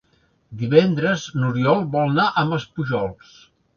Divendres n'Oriol vol anar a Maspujols.